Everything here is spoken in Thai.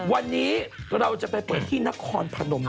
วันนี้เราจะไปเปิดที่นครพนม